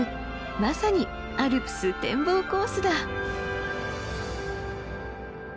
まさにアルプス展望コースだ。